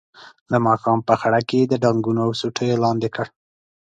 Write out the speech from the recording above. د ماښام په خړه کې یې د ډانګونو او سوټیو لاندې کړ.